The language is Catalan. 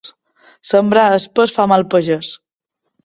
Sembrar espès fa mal pagès.